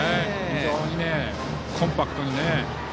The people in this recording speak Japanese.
非常にコンパクトにね。